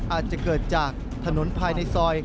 อาจจะเกิดจากถนนภายในซอย